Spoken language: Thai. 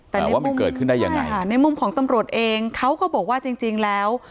แต่ว่ามันเกิดขึ้นได้ยังไงค่ะในมุมของตำรวจเองเขาก็บอกว่าจริงจริงแล้ว